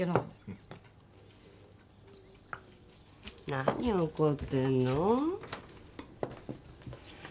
何怒ってんの？